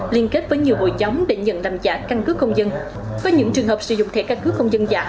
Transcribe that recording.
liên kết với nhiều hội chống để nhận làm giả căn cứ công dân có những trường hợp sử dụng thẻ căn cứ công dân giả